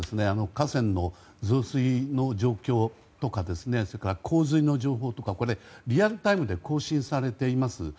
河川の増水の状況ですとかそれから洪水の情報とかリアルタイムで更新されています。